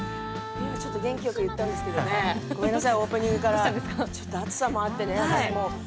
ちょっと、元気よく言ったんですけどねごめんなさいオープニングからちょっと暑さもあってね